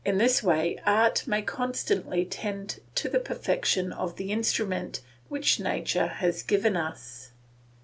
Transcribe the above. In this way art may constantly tend to the perfection of the instrument which nature has given us.